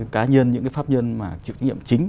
cá nhân những cái pháp nhân mà chịu trách nhiệm chính